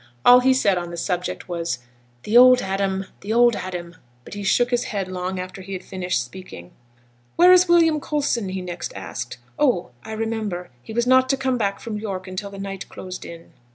All he said on the subject was: 'The old Adam! the old Adam!' but he shook his head long after he had finished speaking. 'Where is William Coulson?' he next asked. 'Oh! I remember. He was not to come back from York till the night closed in.'